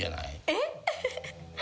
「えっ？」